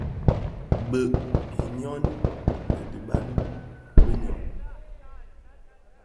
Bëug i nyôn, di biban bi nyôn.